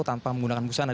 tanpa menggunakan busana